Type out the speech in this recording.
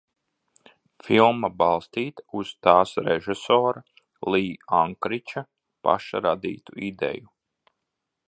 Filma balstīta uz tās režisora Lī Ankriča paša radītu ideju.